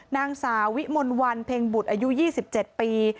นางสาวิมลวันเพ็งบุตรอายุ๒๗ปี